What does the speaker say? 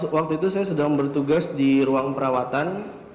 waktu itu saya sedang bertugas di ruang perawatan